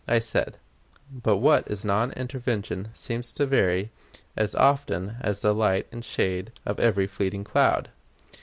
I said: "But what is non intervention seems to vary as often as the light and shade of every fleeting cloud.